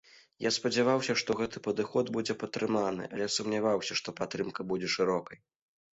Я спадзяваўся, што гэты падыход будзе падтрыманы, але сумняваўся, што падтрымка будзе шырокай.